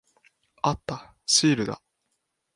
あった。シールだ。